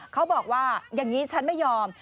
เขาบอกว่าอย่างนี้ฉันไม่ยอม